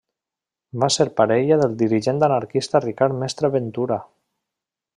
Va ser parella del dirigent anarquista Ricard Mestre Ventura.